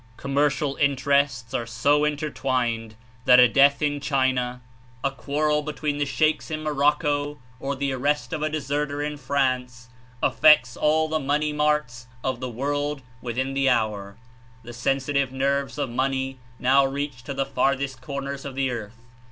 Commercial interests are so in 37 terwined that a death In China, a quarrel between Sheiks In Morocco, or the arrest of a deserter In France, affects all the money marts of the world with in the hour. The sensitive nerves of money now reach to the farthest corners of the earth.